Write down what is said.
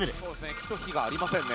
木と火がありませんね。